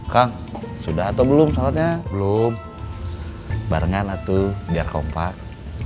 kang sudah atau belum sholatnya belum barengan atau biar kompak